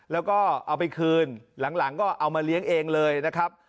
แล้วก็เอาไปคืนหลังก็เอามาเลี้ยงเองเลยนะครับ